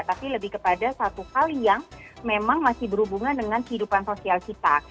tapi lebih kepada satu hal yang memang masih berhubungan dengan kehidupan sosial kita